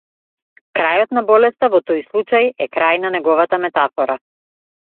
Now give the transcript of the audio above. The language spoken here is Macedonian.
Крајот на болеста во тој случај е крај на неговата метафора.